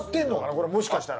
これもしかしたら。